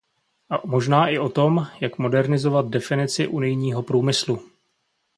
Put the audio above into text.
A možná i o tom, jak modernizovat definici unijního průmyslu.